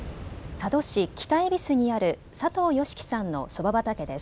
佐渡市北狄にある佐藤芳樹さんのそば畑です。